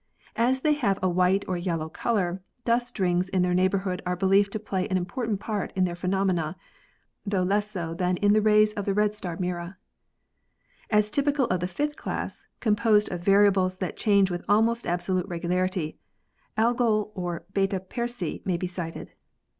As they have a white or yellow color, dust rings in their neighborhood are believed to play an important part in their phenomena, tho less so than in the rays of the red star Mira. As typical of the fifth class, composed of variables that change with almost absolute regularity, Algol, or Beta Persei, may be cited.